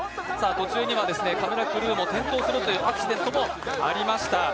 途中にはカメラクルーが転倒するというアクシデントもありました。